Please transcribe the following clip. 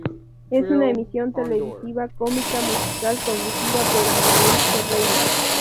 Es una emisión televisiva cómica musical conducida por Anabel Ferreira.